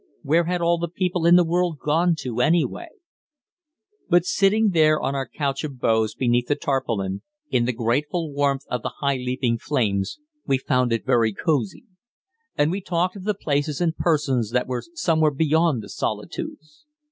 Where had all the people in the world gone to, anyway? But, sitting there on our couch of boughs beneath the tarpaulin, in the grateful warmth of the high leaping flames, we found it very cosey. And we talked of the places and persons that were somewhere beyond the solitudes.